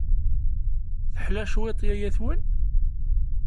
Teḥla cwiṭ yaya-twen?